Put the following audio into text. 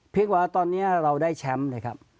กว่าตอนนี้เราได้แชมป์เลยครับ